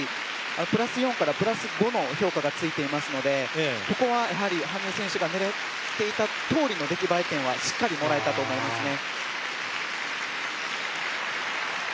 プラス４からプラス５の評価がついていますのでここはやはり羽生選手が狙っていたとおりの出来栄え点はしっかりもらえたと思いますね。